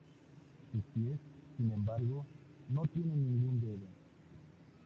Sus pies, sin embargo, no tienen ningún dedo.